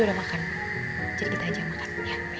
jadi mana sekarang kita makan ya